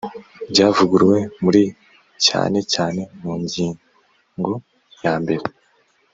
ryavuguruwe muri cyane cyane mu nging yambere